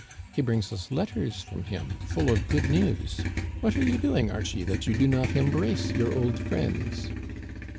He brings us letters from him, full of good news. What are you doing, Archie, that you do not embrace your old friends?"